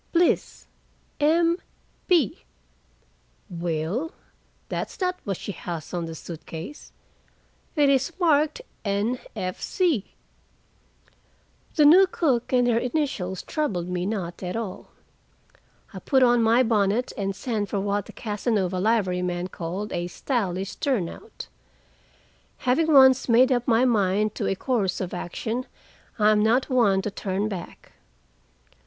"Bliss. M. B. Well, that's not what she has on he suitcase. It is marked N. F. C." The new cook and her initials troubled me not at all. I put on my bonnet and sent for what the Casanova liveryman called a "stylish turnout." Having once made up my mind to a course of action, I am not one to turn back.